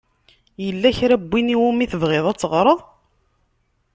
Yella kra n yiwen i wumi tebɣiḍ ad teɣṛeḍ?